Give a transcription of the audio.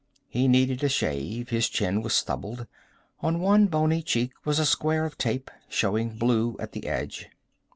He needed a shave; his chin was stubbled. On one bony cheek was a square of tape, showing blue at the edge.